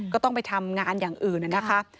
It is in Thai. ก็ต้องไปทำงานอย่างอื่นนะคะ